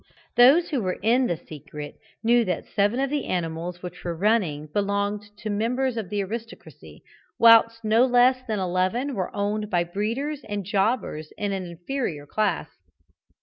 Those who were in the secret knew that seven of the animals which were running belonged to members of the aristocracy, whilst no less than eleven were owned by breeders and jobbers of an inferior class.